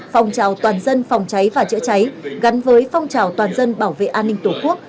phòng trào toàn dân phòng cháy và chữa cháy gắn với phong trào toàn dân bảo vệ an ninh tổ quốc